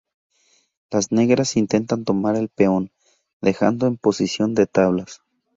Las negras intentan tomar el peón, dejando en posición de tablas.